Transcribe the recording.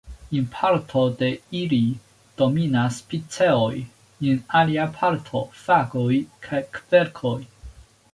En parto de ili dominas piceoj, en alia parto fagoj kaj kverkoj.